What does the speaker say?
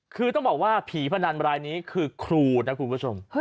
คือต้องบอกว่าผีพนันรายนี้คือครูนะคุณผู้ชม